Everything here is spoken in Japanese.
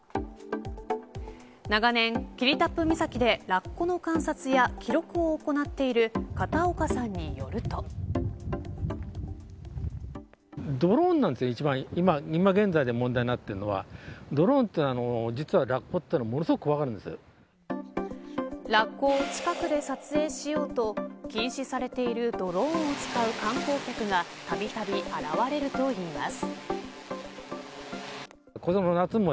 長年、霧多布岬でラッコの観察や記録を行っている片岡さんによると。ラッコを近くで撮影しようと禁止されているドローンを使う観光客がたびたび現れるといいます。